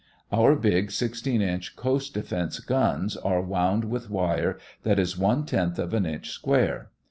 Our big 16 inch coast defense guns are wound with wire that is one tenth of an inch square.